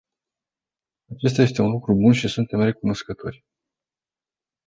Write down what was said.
Acesta este un lucru bun și suntem recunoscători.